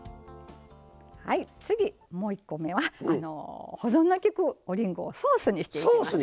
次、もう一個は保存がきくおりんごをソースにしていきます。